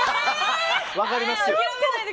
分かります。